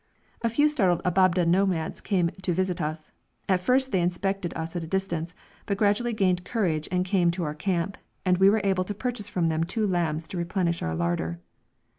A few startled Ababdeh nomads came to visit us; at first they only inspected us at a distance, but gradually gained courage and came to our camp, and we were able to purchase from them two lambs to replenish our larder.